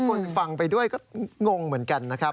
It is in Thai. คนฟังไปด้วยก็งงเหมือนกันนะครับ